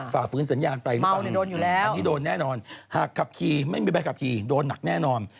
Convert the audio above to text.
ฝ่าฟื้นสัญญาณไปหรือเปล่าอันนี้โดนแน่นอนไม่มีแบบขับขี่โดนหนักแน่นอน